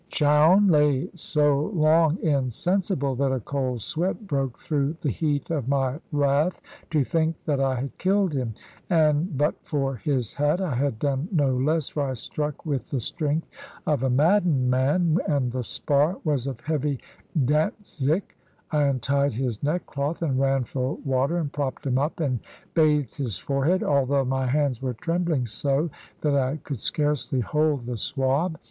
Chowne lay so long insensible, that a cold sweat broke through the heat of my wrath, to think that I had killed him. And but for his hat, I had done no less, for I struck with the strength of a maddened man, and the spar was of heavy Dantzic. I untied his neckcloth, and ran for water, and propped him up, and bathed his forehead, although my hands were trembling so that I could scarcely hold the swab.